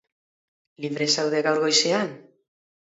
Libre zaude gaur goizean?